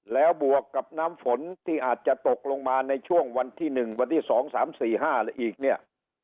แล้วบวกกับน้ำฝนที่อาจจะตกลงมาในช่วงวันที่๑วันที่๒๓๔๕อีกเนี่ย